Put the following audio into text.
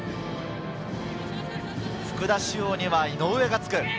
福田師王には井上がつく。